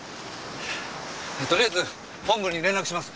とりあえず本部に連絡します。